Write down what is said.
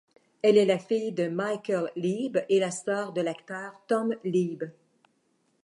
Elle est la fille de Michel Leeb et la sœur de l'acteur Tom Leeb.